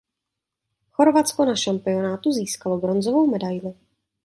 Chorvatsko na šampionátu získalo bronzovou medaili.